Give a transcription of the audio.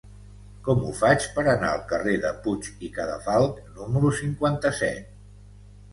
Com ho faig per anar al carrer de Puig i Cadafalch número cinquanta-set?